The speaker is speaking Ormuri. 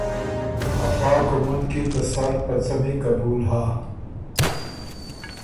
افا کُوماخ کی ته سر په څمی قبول هۀ